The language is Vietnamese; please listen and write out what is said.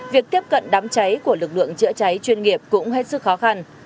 việc tiếp cận đám cháy của lực lượng chữa cháy chuyên nghiệp cũng hết sức khó khăn